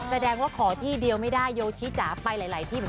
แสดงว่าขอที่เดียวไม่ได้โยชิจาไปหลายที่